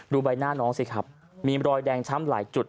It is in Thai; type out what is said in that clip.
ใบหน้าน้องสิครับมีรอยแดงช้ำหลายจุด